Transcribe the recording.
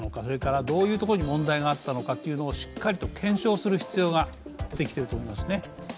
それからどういうところに問題があったのかをしっかりと検証する必要が出てきていると思いますね。